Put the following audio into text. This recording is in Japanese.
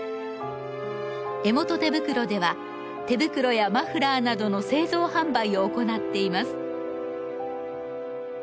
江本手袋では手袋やマフラーなどの製造販売を行っています。